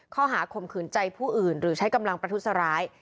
ข้อหาข่มขืนใจผู้อื่นหรือใช้กำลังประทุษร้าย